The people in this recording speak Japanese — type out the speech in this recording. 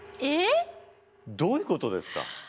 どういうことですか。